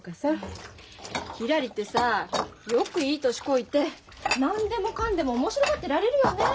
ひらりってさよくいい年こいて何でもかんでも面白がってられるよね。